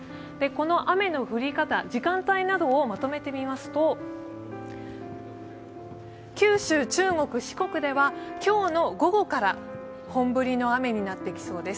この雨の降り方、時間帯などをまとめてみますと、九州、中国、四国では今日の午後から本降りの雨になってきそうです。